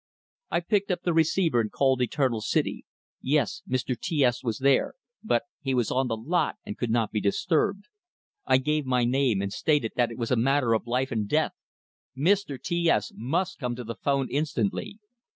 I picked up the receiver and called Eternal City. Yes, Mr. T S was there, but he was "on the lot" and could not be disturbed. I gave my name, and stated that it was a matter of life and death; Mr. T S must come to the phone instantly.